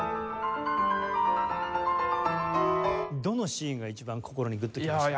どのシーンが一番心にグッときました？